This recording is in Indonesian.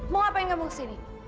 mau apain kamu kesini